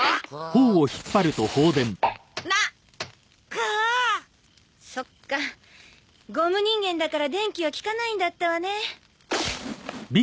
クァそっかゴム人間だから電気は効かないんだったわね